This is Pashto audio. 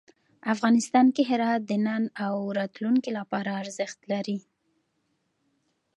افغانستان کې هرات د نن او راتلونکي لپاره ارزښت لري.